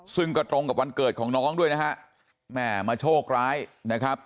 ซึ่งก็ตรงกับวันเกิดของน้องด้วยนะฮะแม่มาโชคร้ายนะครับ